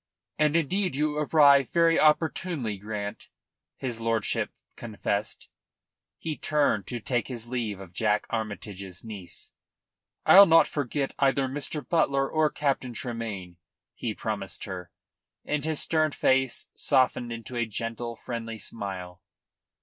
"And indeed you arrive very opportunely, Grant," his lordship confessed. He turned to take his leave of Jack Armytage's niece. "I'll not forget either Mr. Butler or Captain Tremayne," he promised her, and his stern face softened into a gentle, friendly smile.